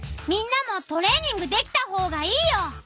みんなもトレーニングできた方がいいよ。